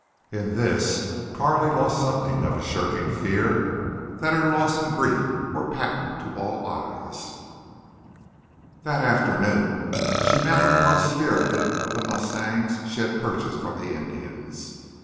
In this Carley lost something of a shirking fear that her loss and grief were patent to all eyes. That afternoon she mounted the most spirited of the mustangs she had purchased from the Indians.